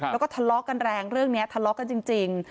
แล้วก็ทะเลาะกันแรงเรื่องนี้ทะเลาะกันจริง